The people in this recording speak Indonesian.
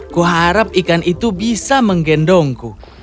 kuharap ikan itu bisa menggendongku